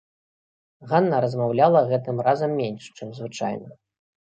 Ганна размаўляла гэтым разам менш, чым звычайна.